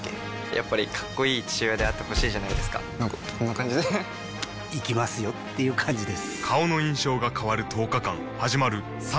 やっぱりかっこいい父親であってほしいじゃないですかなんかこんな感じで行きますよっていう感じです